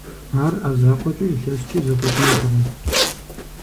Ар Ӏэ закъуэкӀэ илъэскӀи зэфӀэкӀынутэкъым.